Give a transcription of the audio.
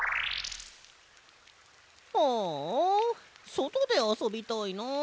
ああそとであそびたいな。